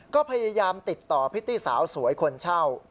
ก็พยายามติดต่อพริตตี้สาวสวยคนเช่า